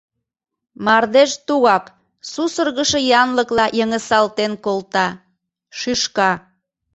Мардеж тугак сусыргышо янлыкла йыҥысалтен колта, шӱшка.